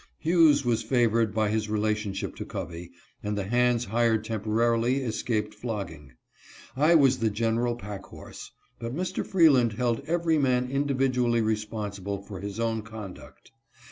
Hughes was favored by his relationship to Covey, and the hands hired temporarily escaped flogging. I was the general pack horse ; but Mr. Freeland held every man individ ually responsible for his own conduct.